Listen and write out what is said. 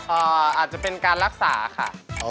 อาจจะเป็นการรักษาค่ะ